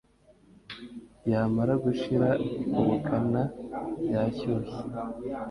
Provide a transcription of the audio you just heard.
yamara gushira ubukana yashyushye,